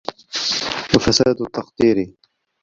وَفَسَادِ التَّقْدِيرِ